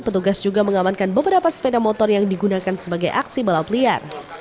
petugas juga mengamankan beberapa sepeda motor yang digunakan sebagai aksi balap liar